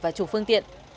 và chủ phương tiện